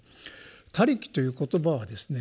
「他力」という言葉はですね